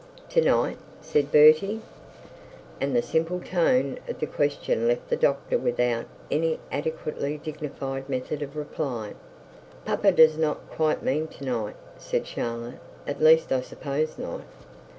'To night?' said Bertie; and the simple tone of the question left the doctor without any adequately dignified method of reply. 'Papa does not quite mean to night,' said Charlotte, 'at least I suppose not.'